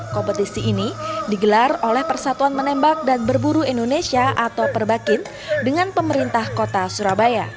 kompetisi ini digelar oleh persatuan menembak dan berburu indonesia atau perbakin dengan pemerintah kota surabaya